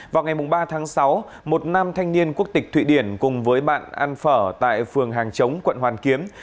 vào ngày ba tháng sáu một nam thanh niên quốc tịch thụy điển cùng với bạn ăn phở tại phường hàng chống quận hoàn kiếm